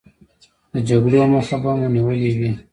د جګړو مخه به مو نیولې وي.